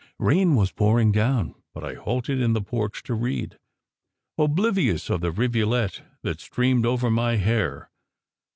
Rain was pouring down, but I halted in the porch to read, oblivious of the rivulet that streamed over my hair.